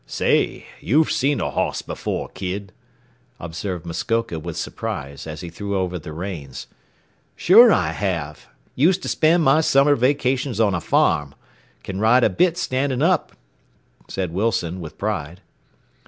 "Say, you've seen a hoss before, kid," observed Muskoka with surprise as he threw over the reins. "Sure I have. Used to spend my summer vacations on a farm. Can ride a bit standing up," said Wilson, with pride.